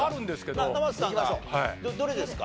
どれですか？